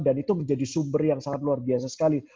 dan itu menjadi sumber yang sangat luar biasa sekali